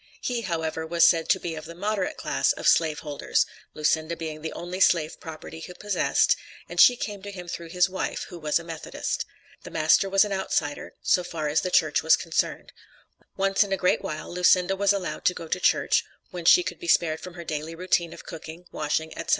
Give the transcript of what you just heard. He, however, was said to be of the "moderate class" of slave holders; Lucinda being the only slave property he possessed, and she came to him through his wife (who was a Methodist). The master was an outsider, so far as the Church was concerned. Once in a great while Lucinda was allowed to go to church, when she could be spared from her daily routine of cooking, washing, etc.